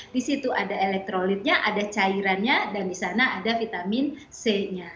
di situ ada elektrolitnya ada cairannya dan di sana ada vitamin c nya